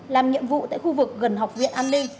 làm nhiệm vụ tại khu vực gần học viện an ninh